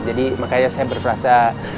jadi makanya saya berperasa